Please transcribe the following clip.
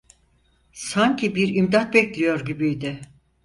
Sanki bir imdat bekliyor gibiydi.